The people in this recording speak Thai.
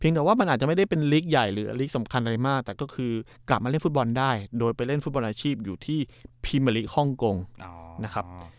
แต่ว่ามันอาจจะไม่ได้เป็นลีกใหญ่หรือลีกสำคัญอะไรมากแต่ก็คือกลับมาเล่นฟุตบอลได้โดยไปเล่นฟุตบอลอาชีพอยู่ที่พรีเมอร์ลีกฮ่องกงนะครับ